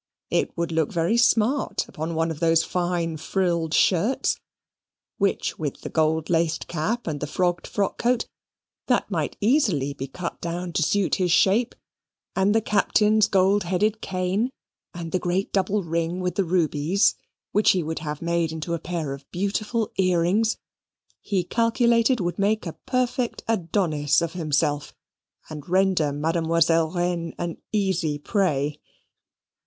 It would look very smart upon one of the fine frilled shirts, which, with the gold laced cap and the frogged frock coat, that might easily be cut down to suit his shape, and the Captain's gold headed cane, and the great double ring with the rubies, which he would have made into a pair of beautiful earrings, he calculated would make a perfect Adonis of himself, and render Mademoiselle Reine an easy prey.